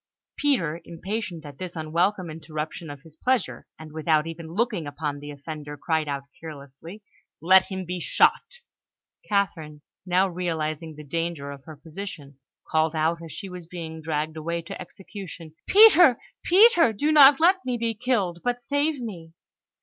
Peter, impatient at this unwelcome interruption of his pleasure, and without even looking upon the offender, cried out carelessly: "Let him be shot!" Catherine, now realising the danger of her position, called out as she was being dragged away to execution, "Peter! Peter! Do not let me be killed, but save me!"